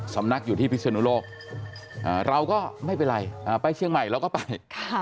สำนักอยู่ที่พิศนุโลกเราก็ไม่เป็นไรไปเชียงใหม่เราก็ไป